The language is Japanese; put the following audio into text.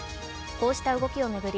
こうした動きを巡り